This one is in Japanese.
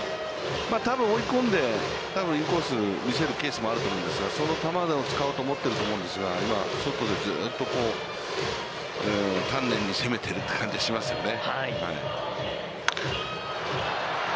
ただ、追い込んで、多分インコースを見せるケースもあると思うんですが、その球を使おうと思ってると思うんですが、今外でずっと丹念に攻めているという感じがしますよね。